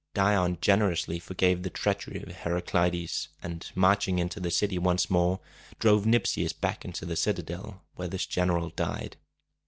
Dion generously forgave the treachery of Heraclides, and, marching into the city once more, drove Nypsius back into the citadel, where this general died.